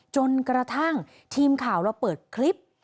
จนกระทั่งทีมข่าวเราเปิดคลิป